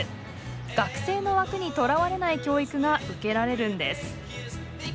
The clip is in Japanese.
学生の枠にとらわれない教育が受けられるんです。